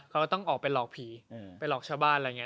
เขาก็ต้องออกไปหลอกผีไปหลอกชาวบ้านอะไรอย่างนี้